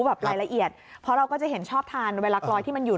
แบบรายละเอียดเพราะเราก็จะเห็นชอบทานเวลากลอยที่มันอยู่